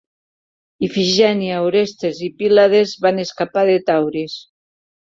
Ifigènia, Orestes y Pilades van escapar de Tauris.